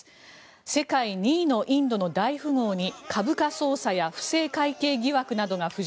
世界２位のインドの大富豪に株価操作や不正会計疑惑などが浮上。